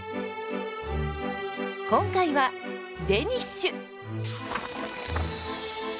今回はデニッシュ！